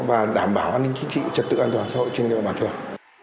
và đảm bảo an ninh chính trị trật tự an toàn xã hội trên địa bàn phường